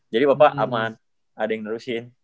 jadi papa aman ade yang nerusin